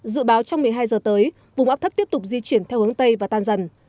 dự báo trong một mươi hai giờ tới vùng áp thấp tiếp tục di chuyển theo hướng tây và tan dần